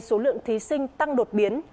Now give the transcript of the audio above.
số lượng thí sinh tăng đột biến